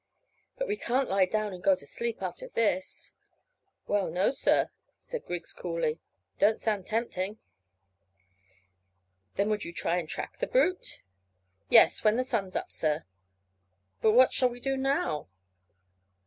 "But we can't lie down and go to sleep again after this." "Well, no, sir," said Griggs coolly; "it don't sound tempting." "Then you would try and track the brute?" "Yes, when the sun's up, sir." "But what shall we do now?"